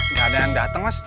gak ada yang dateng mas